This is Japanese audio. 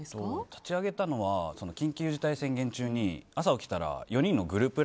立ち上げたのは緊急事態宣言中に朝起きたら４人のグループ